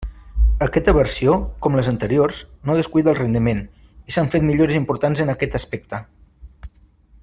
Aquesta versió, com les anteriors, no descuida el rendiment, i s'han fet millores importants en aquest aspecte.